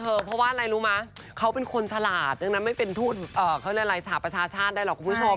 เพราะว่าอะไรรู้มั้ยเขาเป็นคนฉลาดไม่เป็นทุนสหปชาติได้หรอกคุณผู้ชม